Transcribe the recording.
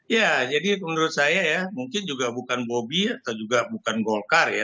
ya jadi menurut saya ya mungkin juga bukan bobi atau juga bukan golkar ya